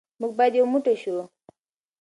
موږ باید یو موټی شو.